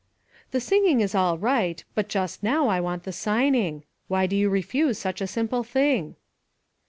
"The singing is all right; but just now I want the signing. Why do you refuse such a simple thing?"